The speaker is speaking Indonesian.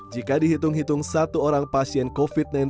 jika dihitung hitung satu orang pasien covid sembilan belas